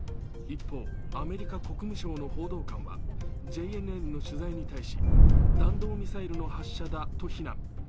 一方、アメリカ国務省の報道官は、ＪＮＮの取材に対し、弾道ミサイルの発射だと非難。